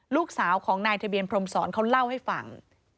ลูกสาวของนายทะเบียนพรมศรเขาเล่าให้ฟัง